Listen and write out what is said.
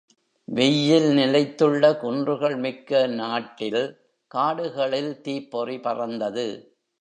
வெய்யில் நிலைத்துள்ள குன்றுகள் மிக்க நாட்டில் காடுகளில் தீப்பொறி பறந்தது.